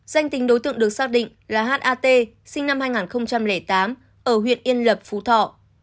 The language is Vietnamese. danh tính đối tượng được xác định là h a t sinh năm hai nghìn tám ở huyện yên lập phú thọ